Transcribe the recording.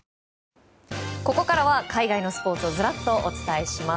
ここからは海外のスポーツをずらっとお伝えします。